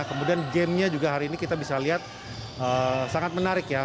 kemudian gamenya juga hari ini kita bisa lihat sangat menarik ya